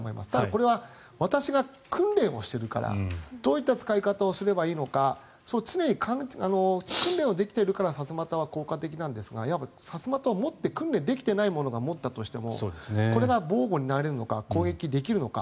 これは私が訓練をしているからどういった使い方をすればいいのか訓練をできているからさすまたは効果的なんですがさすまたを持って訓練できていない者が持ったとしてもこれが防護になるのか攻撃できるのか。